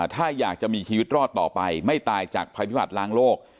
ถ้าอยากจะมีชีวิตรอดต่อไปไม่ตายจากภัยพิบัติล้างโลก